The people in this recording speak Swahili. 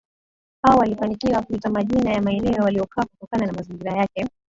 hao walifanikiwa kuitwa majina ya maeneo waliyokaa kutokana na mazingira yake